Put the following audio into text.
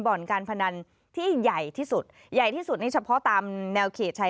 บ่อนการพนันที่ใหญ่ที่สุดใหญ่ที่สุดนี่เฉพาะตามแนวเขตชาย